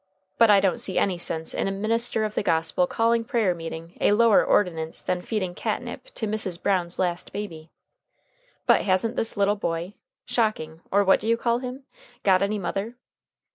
But I don't see any sense in a minister of the gospel calling prayer meeting a lower ordinance than feeding catnip tea to Mrs. Brown's last baby. But hasn't this little boy Shocking, or what do you call him? got any mother?"